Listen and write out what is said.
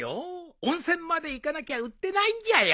温泉まで行かなきゃ売ってないんじゃよ。